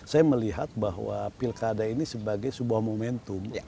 saya melihat bahwa pilkada ini sebagai sebuah momentum